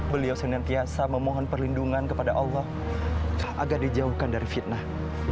beliau senantiasa memohon perlindungan kepada allah agar dijauhkan dari fitnah